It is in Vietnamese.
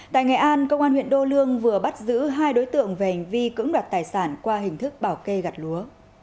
tại nghệ an công an huyện đô lương vừa bắt giữ hai đối tượng về hành vi cưỡng đoạt tài sản qua hình thức bảo kê gạt lúa